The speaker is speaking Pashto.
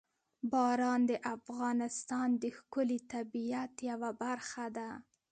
باران د افغانستان د ښکلي طبیعت یوه برخه ده.